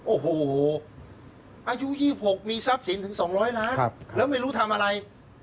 โอ้โหอายุยี่หกมีทรัพย์สินถึงสองร้อยล้านครับแล้วไม่รู้ทำอะไร